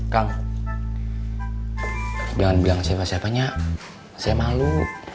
kang jangan bilang siapa siapanya saya malu